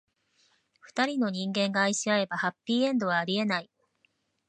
二人の人間が愛し合えば、ハッピーエンドはありえない。